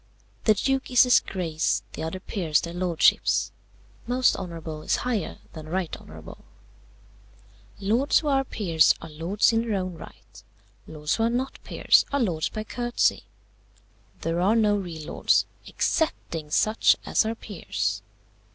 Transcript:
The Duke is his Grace; the other Peers their Lordships. Most honourable is higher than right honourable. "Lords who are peers are lords in their own right. Lords who are not peers are lords by courtesy: there are no real lords, excepting such as are peers.